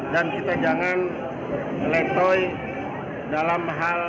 dan kita jangan letoy dalam hal bersemangat